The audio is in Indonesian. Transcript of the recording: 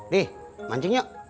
dih mancing yuk